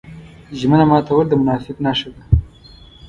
ژمنه ماتول د منافق نښه ده.